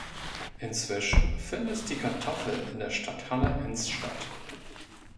Inzwischen findet die "Kartoffel" in der Stadthalle Enns statt.